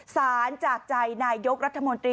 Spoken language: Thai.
จากใจนายยกรัฐมนตรี